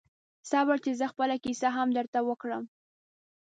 صبر چې زه خپله کیسه هم درته وکړم